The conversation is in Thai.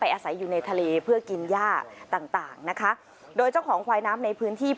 อาศัยอยู่ในทะเลเพื่อกินย่าต่างต่างนะคะโดยเจ้าของควายน้ำในพื้นที่